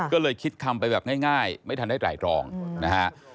เพื่อเลยคิดคำไปแบบง่ายง่ายไม่ทันได้หลายรองอืมนะฮะ